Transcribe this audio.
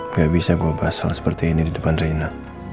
nggak bisa gue bahas hal seperti ini di depan rena